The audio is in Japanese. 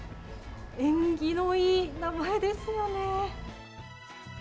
縁起のいい名前ですよね。